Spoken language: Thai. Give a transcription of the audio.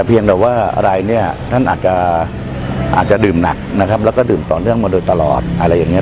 บินต่อเรื่องมาโดยตลอดอะไรอย่างเงี้ย